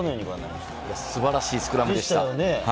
素晴らしいスクラムでした。